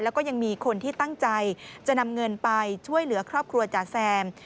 แล้วก็ยังมีคนที่ตั้งใจจะนำเงินไปช่วยเหลือครอบครัวจ๋าแซม